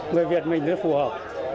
người việt mình rất phù hợp